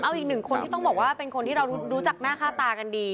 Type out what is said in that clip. เอาอีกหนึ่งคนที่ต้องบอกว่าเป็นคนที่เรารู้จักหน้าค่าตากันดี